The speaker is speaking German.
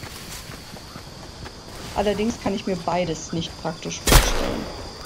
Allerdings kann ich mir beides nicht praktisch vorstellen.